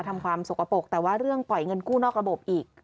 ทำความสกปรกแต่ว่าเรื่องปล่อยเงินกู้นอกระบบอีก